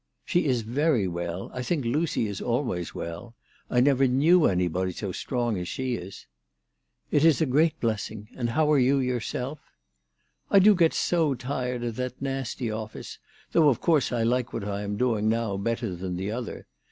" She is very well. I think Lucy is always well. I never knew anybody so strong as she is." " It is a great blessing. And how are you yourself ?"" I do get so tired at that nasty office. Though of course I like what I am doing now better than the other.